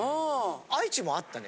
愛知もあったね。